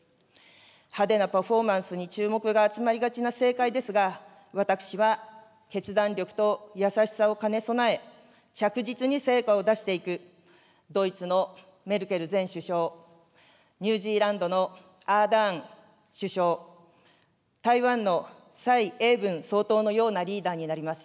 派手なパフォーマンスに注目が集まりがちな政界ですが、私は決断力と優しさを兼ね備え、着実に成果を出していく、ドイツのメルケル前首相、ニュージーランドのアーダーン首相、台湾の蔡英文総統のようなリーダーになります。